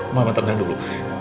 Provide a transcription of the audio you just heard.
mama ternyata dulu